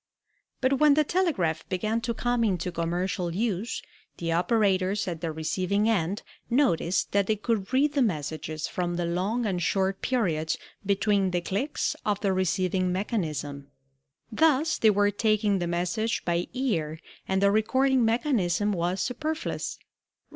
But when the telegraph began to come into commercial use the operators at the receiving end noticed that they could read the messages from the long and short periods between the clicks of the receiving mechanism. Thus they were taking the message by ear and the recording mechanism was superfluous.